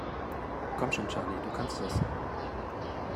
Komm schon, Charlie, du kannst das!